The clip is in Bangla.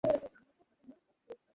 তিনি একজন দার্শনিক এবং সমাজ সংস্কারক।